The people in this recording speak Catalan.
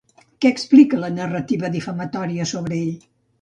Què explica la narrativa difamatòria sobre ell?